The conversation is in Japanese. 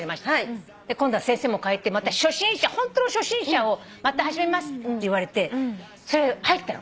で今度は先生もかえてホントの初心者をまた始めますって言われてそれ入ったの。